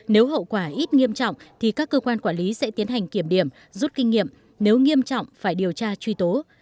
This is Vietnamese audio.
nếu hậu quả ít nghiêm trọng thì các cơ quan quản lý sẽ tiến hành kiểm điểm rút kinh nghiệm nếu nghiêm trọng phải điều tra truy tố